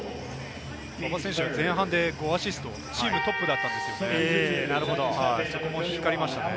馬場選手、前半で１５アシスト、チームトップだったんですよね、光りましたね。